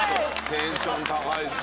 テンション高いっすね。